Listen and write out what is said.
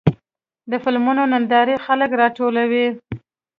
د فلمونو نندارې خلک راټولوي.